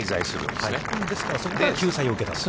ですから、そこから救済を受けたと。